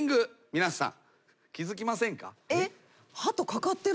皆さん。